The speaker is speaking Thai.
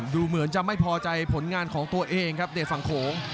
ดูเหมือนจะไม่พอใจผลงานของตัวเองครับเดชฝั่งโขง